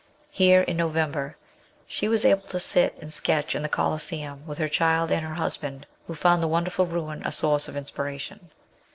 Here, in November, she was able to LIFE IN ITALY. 135 sit and sketch in the Coliseum with her child and her husband, who found the wonderful ruin a source of inspiration.